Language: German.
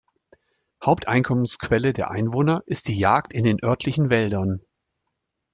Haupteinkommensquelle der Einwohner ist die Jagd in den örtlichen Wäldern.